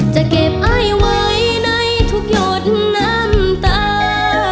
จะเก็บไอ้ไว้ในทุกหยดน้ำตา